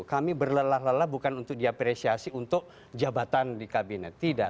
kami berlelah lelah bukan untuk diapresiasi untuk jabatan di kabinet tidak